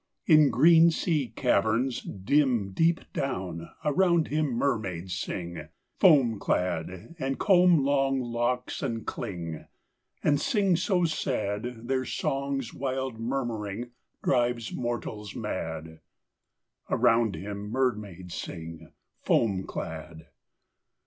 In green sea caverns dim Deep down. Around him mermaids sing, Foam clad, And comb long locks and cling, And sing so sad Their song's wild murmuring Drives mortals mad. Around him mermaids sing, Foam clad.